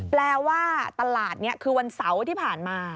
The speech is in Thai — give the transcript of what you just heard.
แปลว่าตลาดนี้คือวันเสาร์ที่ผ่านมา